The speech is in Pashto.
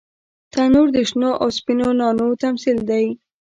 تنور د شنو او سپینو نانو تمثیل دی